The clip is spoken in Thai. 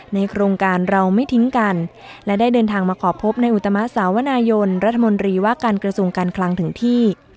ในโครงการเราไม่ทิ้งกันและได้เดินทางมาขอพบในอุตมะสาวนายนรัฐมนตรีว่าการกระทรวงการคลังถึงที่